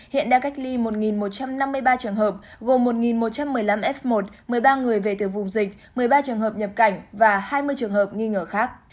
hiện đang cách ly một một trăm năm mươi ba trường hợp gồm một một trăm một mươi năm f một một mươi ba người về từ vùng dịch một mươi ba trường hợp nhập cảnh và hai mươi trường hợp nghi ngờ khác